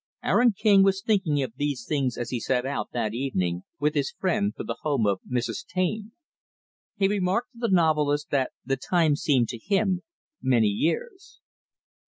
Aaron King was thinking of these things as he set out, that evening, with his friend, for the home of Mrs. Taine. He remarked to the novelist that the time seemed, to him, many years.